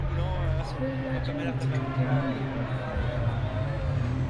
S wawalen yettqiṭṭiren d iḥulfan.